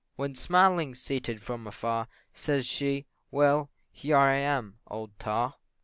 When smiling, seated from afar, Says she "Well, here I am, old tar."